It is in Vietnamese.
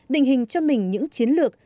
đình hình cho mình những chiến lược